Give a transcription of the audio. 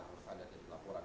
atau memang tidak perlu laporan